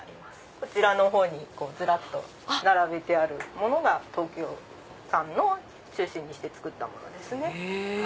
こちらのほうにずらっと並べてあるものが東京産のを中心にして作ったものですね。